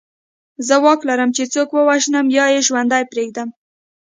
زه واک لرم چې څوک ووژنم یا یې ژوندی پرېږدم